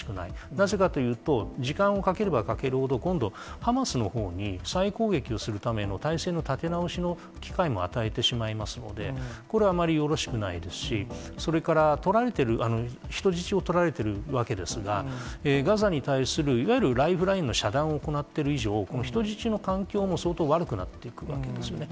なぜかというと、時間をかければかけるほど、今度、ハマスのほうに、再攻撃をするための体勢の立て直しの機会も与えてしまいますので、これはあまりよろしくないですし、それから人質を取られてるわけですが、ガザに対する、いわゆるライフラインの遮断を行っている以上、人質の環境も、相当悪くなってくるわけですよね。